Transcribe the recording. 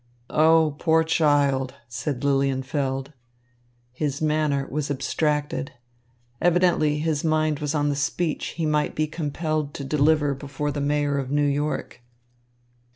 "Oh, poor child," said Lilienfeld. His manner was abstracted. Evidently his mind was on the speech he might be compelled to deliver before the Mayor of New York.